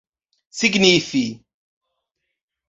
signifi